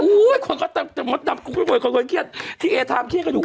โอ้ยคนก็ต่ำมดดำคนเครียดที่เอเทิมเครียดกันอยู่